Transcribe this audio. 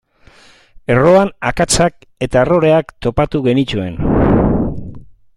Erroan akatsak eta erroreak topatu genituen.